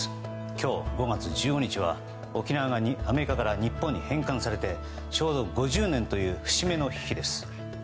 今日、５月１５日は沖縄がアメリカから日本に返還されてちょうど５０年という節目の日です。